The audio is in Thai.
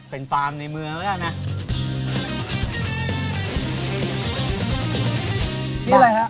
เป็นตามในมือเราได้นะ